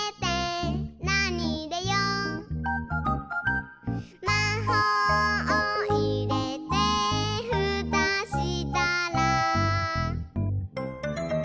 「なにいれよう？」「まほうをいれてふたしたら」